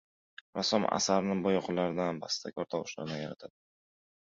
Rassom asarini bo‘yoqlardan, bastakor tovushlardan yaratadi.